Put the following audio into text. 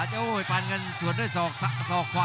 โอ้โหปานเงินสวนด้วยศอกขวาเลยครับ